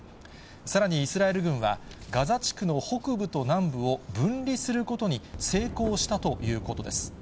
さらにイスラエル軍は、ガザ地区の北部と南部を分離することに成功したということです。